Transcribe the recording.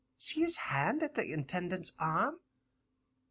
See his hand at the Intendant's arm.